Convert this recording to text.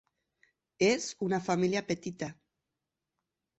És una família petita.